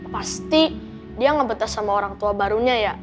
pasti dia ngebetes sama orang tua barunya ya